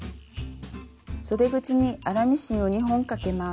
そで口に粗ミシンを２本かけます。